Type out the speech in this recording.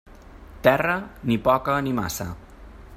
Terra, ni poca ni massa.